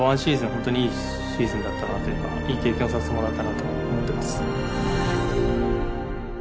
本当にいいシーズンだったなというかいい経験をさせてもらったなと思ってます。